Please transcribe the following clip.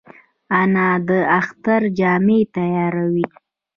انا د اختر جامې تیاروي